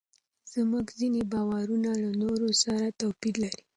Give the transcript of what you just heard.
زموږ ځینې باورونه له نورو سره توپیر لري.